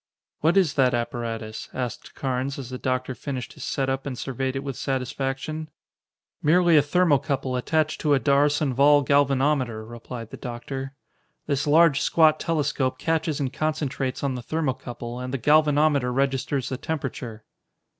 "What is that apparatus?" asked Carnes as the doctor finished his set up and surveyed it with satisfaction. "Merely a thermocouple attached to a D'Arsonval galvanometer," replied the doctor. "This large, squat telescope catches and concentrates on the thermocouple and the galvanometer registers the temperature."